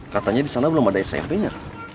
katanya di sana belum ada smpnya